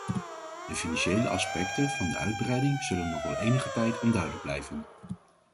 De financiële aspecten van de uitbreiding zullen nog wel enige tijd onduidelijk blijven.